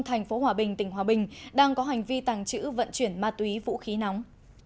thành phố hòa bình tỉnh hòa bình đang có hành vi tàng trữ vận chuyển ma túy vũ khí nóng